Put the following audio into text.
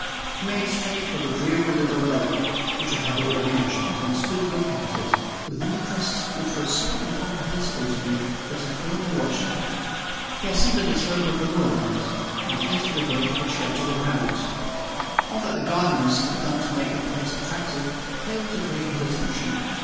He made straight for the dreary little lake which I have already mentioned, and stood looking at it with an interest which was so incomprehensible to me, that I own I watched him. He ascended the slope of the moorland, and entered the gate which led to the grounds. All that the gardeners had done to make the place attractive failed to claim his attention.